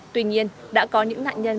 tuy nhiên đã có những nạn nhân